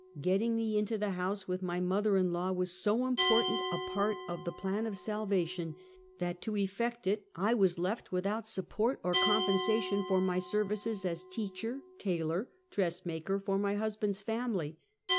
Getting me into the house with my mother in law, was so important a part of the plan of salvation, that Deliverer of the Dark ISTight. 45 to effect it, I was left without support or compensa tion for my services as teacher, tailor, dress maker, for my husband's family.